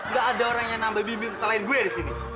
gak ada orang yang nambah bimbing selain gue disini